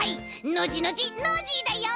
ノジノジノージーだよ！